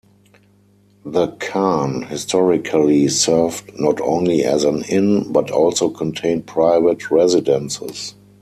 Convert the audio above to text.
The "khan" historically served not only as an inn, but also contained private residences.